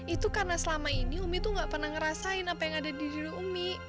itu karena selama ini umi tuh gak pernah ngerasain apa yang ada di diri umi